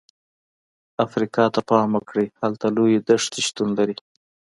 افریقا ته پام وکړئ، هلته لویې دښتې شتون لري.